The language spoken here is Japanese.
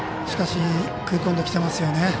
しかし食い込んできてますよね。